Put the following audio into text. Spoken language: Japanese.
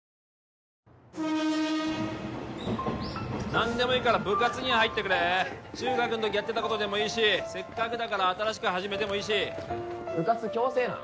何でもいいから部活には入ってくれ中学ん時やってたことでもいいしせっかくだから新しく始めてもいいし部活強制なん？